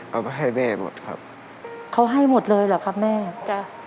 เอาไปให้แม่หมดครับเขาให้หมดเลยเหรอครับแม่จ้ะ